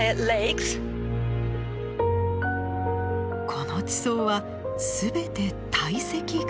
この地層は全て堆積岩。